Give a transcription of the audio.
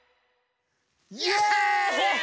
イェーイ！